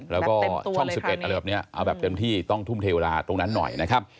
แล้วก็ช่อง๑๑อะไรแบบนี้เอาแบบเต็มที่ต้องทุ่มเทเวลาตรงนั้นหน่อยนะครับ